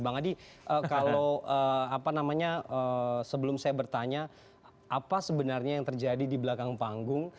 bang adi kalau apa namanya sebelum saya bertanya apa sebenarnya yang terjadi di belakang panggung